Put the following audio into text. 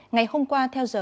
ngày hôm qua theo giờ